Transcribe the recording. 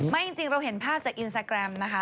จริงเราเห็นภาพจากอินสตาแกรมนะคะ